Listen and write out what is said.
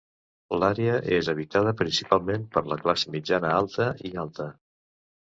L'àrea és habitada principalment per la classe mitjana-alta i alta.